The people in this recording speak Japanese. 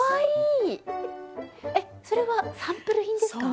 それはサンプル品ですか？